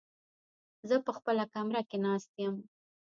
زه په خپله کمره کې ناست يم.